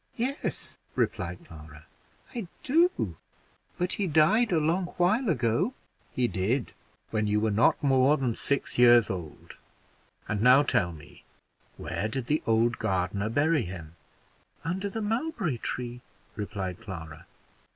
"Yes," replied Clara, "I do; but he died a long while ago." "He did, when you were not more than six years old. And now tell me, where did the old gardener bury him?" "Under the mulberry tree," replied Clara.